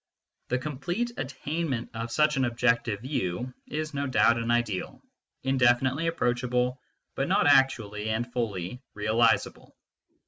The complete attainment of such an objective view is no doubt an ideal, indefinitely approachable, but not actually and fully realisable.